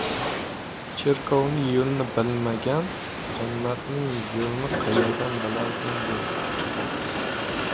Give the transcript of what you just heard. — Cherkovni yo‘lini bilmagan jannatning yo‘lini qaerdan bilardingiz?!